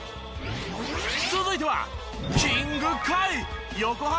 続いては。